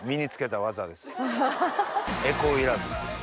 エコーいらず。